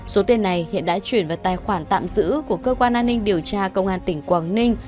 số tiền này hiện đã chuyển vào tài khoản tạm giữ của cơ quan an ninh điều tra công an tỉnh quảng ninh